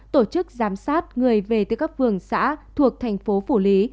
tổ chức giám sát người về từ các phường xã thuộc tp phủ lý